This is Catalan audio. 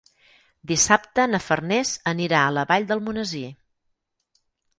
Dissabte na Farners anirà a la Vall d'Almonesir.